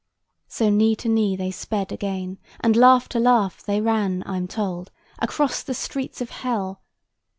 So knee to knee they sped again, And laugh to laugh they ran, I'm told, Across the streets of Hell